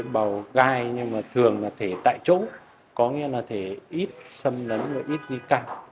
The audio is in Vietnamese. bào gai nhưng mà thường là thể tại chỗ có nghĩa là thể ít xâm lấn và ít di căn